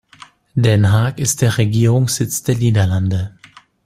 Den Haag ist der Regierungssitz der Niederlande.